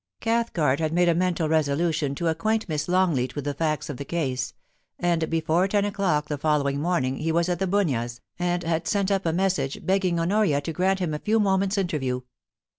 CaJLhcart had made a mental resolution to acquaint Miss Longleat with the facts of the case ; and before ten o'clock the following morning he was at The Bunyas, and had sent up a message begging Honoria to grant him a few moments* interview.